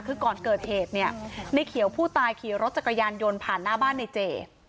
คือก่อนเกิดเหตุเนี่ยในเขียวผู้ตายขี่รถจักรยานยนต์ผ่านหน้าบ้านในเจ